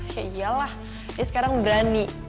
ya iyalah ya sekarang berani